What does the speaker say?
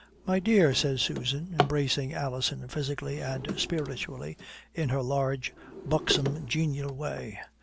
"My dear," says Susan, embracing Alison physically and spiritually in her large, buxom, genial way.